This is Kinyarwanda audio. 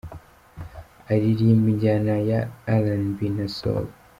Aririmba injyana ya RnB na Soul.